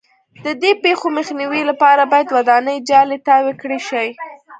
د دې پېښو مخنیوي لپاره باید ودانۍ جالۍ تاو کړای شي.